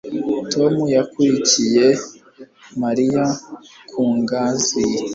Tom yakurikiye Mariya ku ngazi